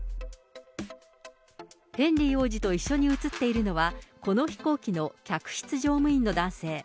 ヘンリー王子と一緒に写っているのは、この飛行機の客室乗務員の男性。